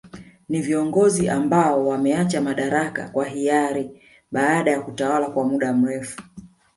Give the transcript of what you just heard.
Ni viongozi ambao wameacha madaraka kwa hiari baada ya kutawala kwa muda mrefu